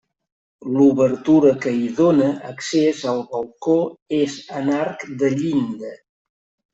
L'obertura que hi dóna accés, al balcó, és en arc de llinda.